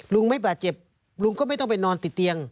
ลุงไม่บาดเจ็บลุงก็ไม่ต้องไปนอนติดเตียง